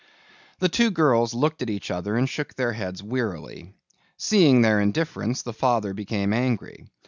The two girls looked at each other and shook their heads wearily. Seeing their indifference the father became angry.